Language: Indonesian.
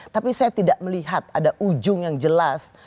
tapi saya tidak melihat ada ujung yang jelas